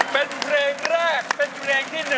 เป็นเพลงแรกเป็นเพลงที่๑